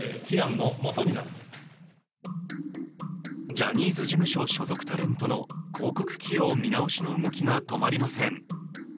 ジャニーズ事務所所属タレントの広告起用見直しの動きが止まりません。